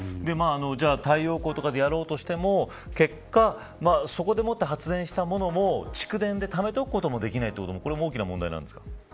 太陽光とかでやろうとしても結果、そこでもって発電したものも蓄電でためておくことができないのも大きな問題なんですか。